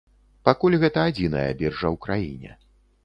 Пакуль гэта адзіная біржа ў краіне.